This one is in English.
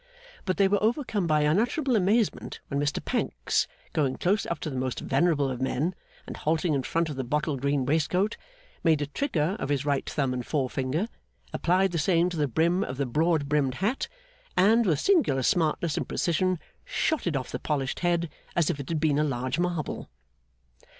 But they were overcome by unutterable amazement when Mr Pancks, going close up to the most venerable of men and halting in front of the bottle green waistcoat, made a trigger of his right thumb and forefinger, applied the same to the brim of the broad brimmed hat, and, with singular smartness and precision, shot it off the polished head as if it had been a large marble.